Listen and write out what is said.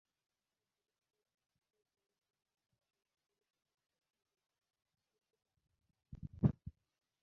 মধ্যবিত্তের আত্মপ্রবঞ্চনায় ভরা চরিত্র বিশ্লেষণ করেছেন তিনি, কিন্তু তাঁর মধ্যে আটকে থাকেনি।